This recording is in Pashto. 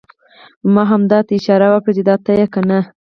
ما همده ته اشاره وکړه چې دا ته یې کنه؟!